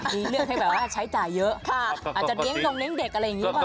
มีเรื่องที่แบบว่าใช้จ่ายเยอะอาจจะเง้นลงเง้นเด็กอะไรอย่างนี้ก็เอา